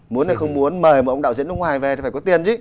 muốn là không muốn mời một ông đạo diễn nước ngoài về thì phải có tiền chứ